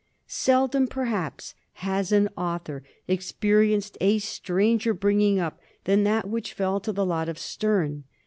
Seldom, perhaps, has an author experienced a stranger bringing up than that which fell to the lot of Sterne.